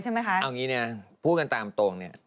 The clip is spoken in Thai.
ใช่บ้างอย่างนี้พูดกันตามตรง